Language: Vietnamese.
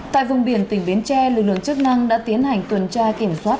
tại vùng biển tỉnh bến tre lực lượng chức năng đã tiến hành tuần tra kiểm soát